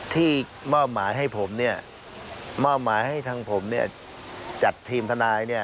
ที่หม้อหมายให้ผมเนี่ยจัดทีมธนายเนี่ย